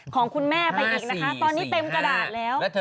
ของคุณแม่ไปอีกนะคะตอนนี้เต็มกระดาษแล้ว